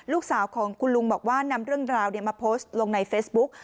ลูกสาวของคุณลุงบอกว่านำเรื่องราวมาโพสต์ลงในเฟซบุ๊ก